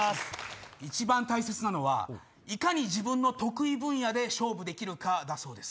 一番大切なのはいかに自分の得意分野で勝負できるかだそうです。